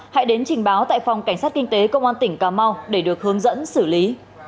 hãy đến trình báo tại phòng cảnh sát kinh tế công an tỉnh cà mau để được hướng dẫn xử lý